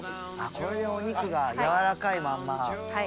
これでお肉がやわらかいまんま。